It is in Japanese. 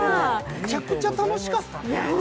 めちゃくちゃ楽しかったね。